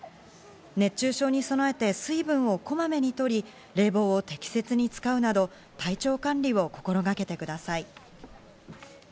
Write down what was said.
熱中症に備えて水分をこまめに取り、冷房を適切に使うなど、体調管理を心がけてください。